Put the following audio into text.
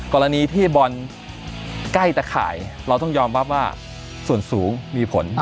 กรณีที่บอลใกล้ตะข่ายเราต้องยอมรับว่าส่วนสูงมีผล